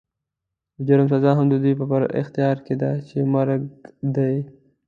د جرم سزا هم د دوی په اختيار کې ده چې مرګ دی.